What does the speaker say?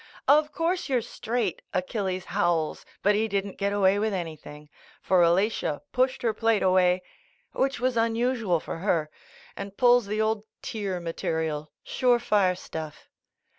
"Of course you're straight!" Achilles howls, but he didn't get away with any thing, for Alatia pushed her plate away, which was unusual for her, and pulls the old tear materia), sure fire stuff.